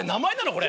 これ。